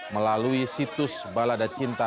melalui situs baladacinta